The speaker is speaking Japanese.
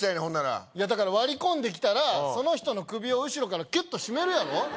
ほんならだから割り込んできたらその人の首を後ろからキュッと絞めるやろ？